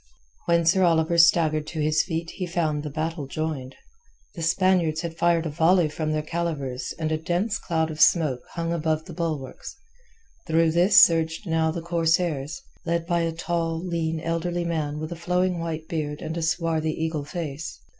When Sir Oliver staggered to his feet he found the battle joined. The Spaniards had fired a volley from their calivers and a dense cloud of smoke hung above the bulwarks; through this surged now the corsairs, led by a tall, lean, elderly man with a flowing white beard and a swarthy eagle face.